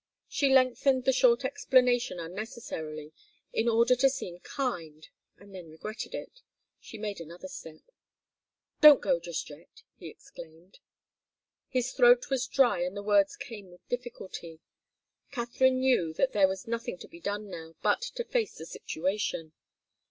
She lengthened the short explanation unnecessarily in order to seem kind, and then regretted it. She made another step. "Don't go just yet!" he exclaimed. His throat was dry, and the words came with difficulty. Katharine knew that there was nothing to be done now but to face the situation.